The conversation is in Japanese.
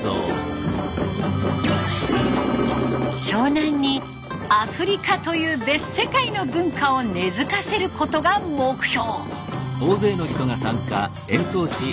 湘南にアフリカという別世界の文化を根づかせることが目標。